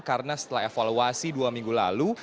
karena setelah evaluasi dua minggu lalu